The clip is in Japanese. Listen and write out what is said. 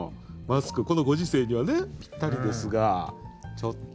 このご時世にはぴったりですがちょっと。